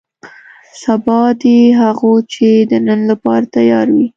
سبا دې هغو دی چې د نن لپاره تیار وي.